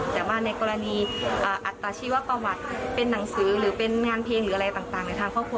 แต่ว่าในกรณีอัตตาชีวประวัติเป็นหนังสือหรือเป็นงานเพลงหรืออะไรต่างในทางครอบครัว